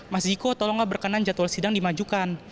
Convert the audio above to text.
mas ziko tolonglah berkenan jadwal sidang dimajukan